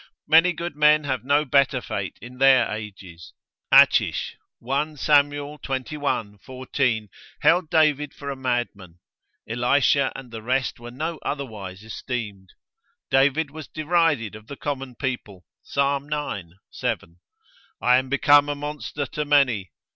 Many good men have no better fate in their ages: Achish, 1 Sam. xxi. 14, held David for a madman. Elisha and the rest were no otherwise esteemed. David was derided of the common people, Ps. ix. 7, I am become a monster to many.